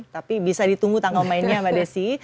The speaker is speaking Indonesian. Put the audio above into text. tapi bisa ditunggu tanggal mainnya mbak desi